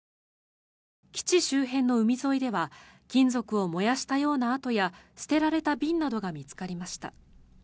基地周辺の海沿いでは金属を燃やしたような跡や捨てられた瓶などが見つかりました。